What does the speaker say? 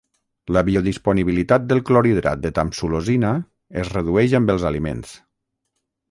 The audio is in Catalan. La biodisponibilitat del clorhidrat de tamsulosina es redueix amb els aliments.